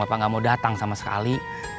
bapak gak mau datang sama sekali